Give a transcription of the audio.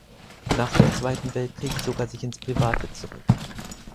Nach dem Zweiten Weltkrieg zog er sich ins Private zurück.